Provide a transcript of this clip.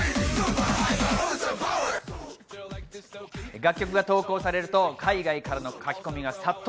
楽曲が投稿されると、海外からの書き込みが殺到。